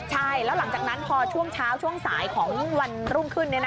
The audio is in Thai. ใช่แล้วหลังจากนั้นพอช่วงเช้าช่วงสายของวันรุ่งขึ้น